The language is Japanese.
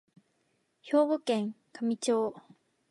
兵庫県香美町